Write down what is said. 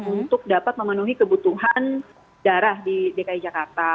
untuk dapat memenuhi kebutuhan darah di dki jakarta